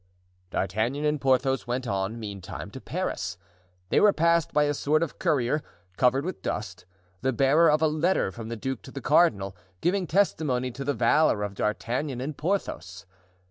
D'Artagnan and Porthos went on, meantime, to Paris. They were passed by a sort of courier, covered with dust, the bearer of a letter from the duke to the cardinal, giving testimony to the valor of D'Artagnan and Porthos.